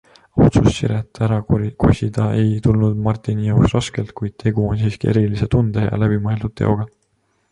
Otsus Siret ära kosida ei tulnud Martini jaoks raskelt, kuid tegu on siiski erilise tunde ja läbimõeldud teoga.